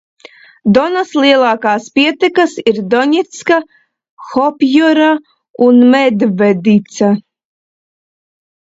Donas lielākās pietekas ir Doņeca, Hopjora un Medvedica.